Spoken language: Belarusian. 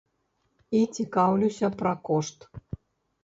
І цікаўлюся пра кошт.